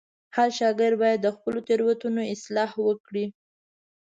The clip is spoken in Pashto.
هر شاګرد باید د خپلو تېروتنو اصلاح وکړي.